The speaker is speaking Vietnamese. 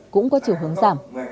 cũng có chiều hướng giảm